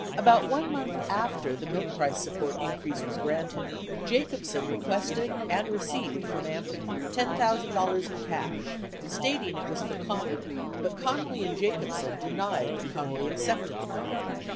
About 1 month after the milk price support increase was granted, Jacobsen requested and received from AMPI $10,000 in cash stating it was for Connally, but Connally and Jacobsen denied that Connally accepted the money.